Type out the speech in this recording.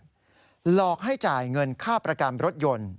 หลอกให้จ่ายเงินค่าประกันรถยนต์